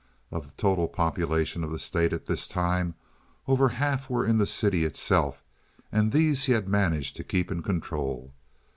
Of the total population of the state at this time over half were in the city itself, and these he had managed to keep in control.